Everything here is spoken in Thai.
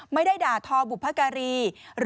ไม่ได้ด่าทอบุพการี